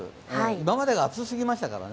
今までが暑すぎましたからね。